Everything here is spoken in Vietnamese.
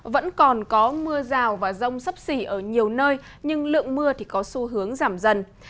vẫn còn có mưa rào và rông sấp xỉ ở nhiều nơi nhưng lượng mưa có xu hướng giảm dần